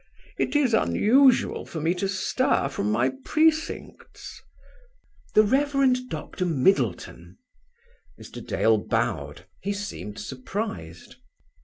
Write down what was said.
"It is unusual for me to stir from my precincts." "The Rev. Dr. Middleton." Mr. Dale bowed. He seemed surprised.